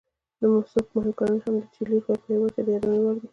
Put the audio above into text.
د مسو مهم کانونه هم د چیلي په هېواد کې د یادونې وړ دي.